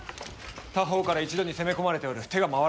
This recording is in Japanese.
多方から一度に攻め込まれておる手が回らぬ！